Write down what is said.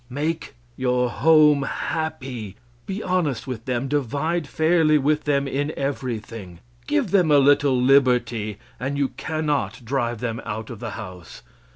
Make your home happy. Be honest with them, divide fairly with them in everything. Give them a little liberty, and you cannot drive them out of the house.